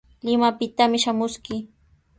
Limapitami shamuskii.